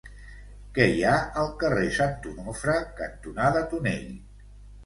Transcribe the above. Què hi ha al carrer Sant Onofre cantonada Tonell?